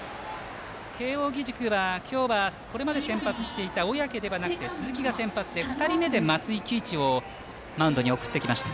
慶応義塾はここまで先発していた小宅ではなく鈴木が先発で２人目で松井喜一をマウンドに送ってきました。